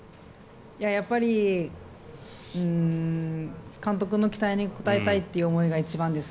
やっぱり監督の期待に応えたいという思いが一番です。